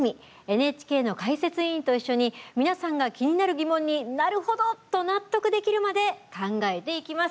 ＮＨＫの解説委員と一緒に皆さんが気になる疑問に「なるほど！」と納得できるまで考えていきます。